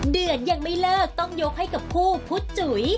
เดือดยังไม่เลิกต้องยกให้กับคู่พุทธจุ๋ย